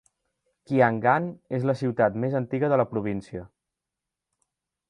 Kiangan és la ciutat més antiga de la província.